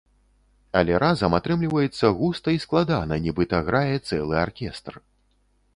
Але разам атрымліваецца густа і складана, нібыта грае цэлы аркестр.